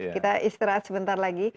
kita istirahat sebentar lagi